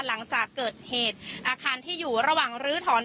หลังจากเกิดเหตุอาคารที่อยู่ระหว่างลื้อถอน